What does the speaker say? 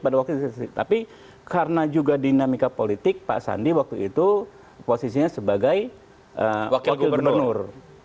tapi karena juga dinamika politik pak sandi waktu itu posisinya sebagai wakil gubernur